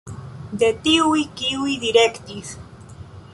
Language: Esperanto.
De tiuj, kiuj direktis.